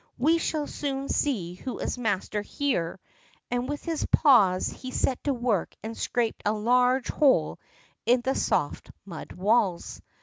"We shall soon see who is master here," and with his paws he set to work and scraped a large hole in the soft mud walls.